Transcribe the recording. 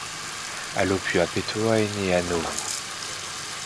Alopua Petoa est né à Nauru.